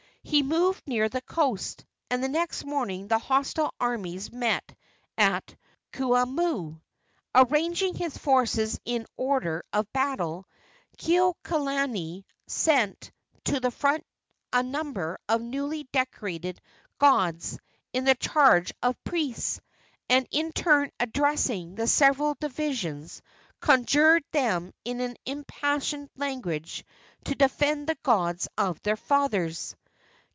He moved near the coast, and the next morning the hostile armies met at Kuamoo. Arranging his forces in order of battle, Kekuaokalani sent to the front a number of newly decorated gods in the charge of priests, and, in turn addressing the several divisions, conjured them in impassioned language to defend the gods of their fathers.